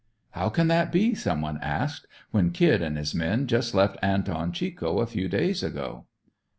"How can that be," someone asked "when Kid and his men just left Anton Chico a few days ago?"